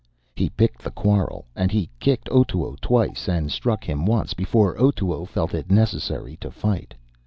He picked the quarrel, and he kicked Otoo twice and struck him once before Otoo felt it to be necessary to fight.